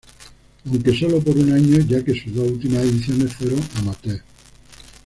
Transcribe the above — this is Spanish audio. Aunque solo por un año ya que sus dos últimas ediciones fueron amateur.